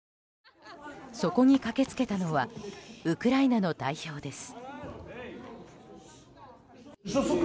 そこに駆け付けたのはウクライナの代表です。